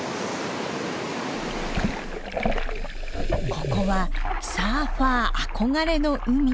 ここはサーファー憧れの海。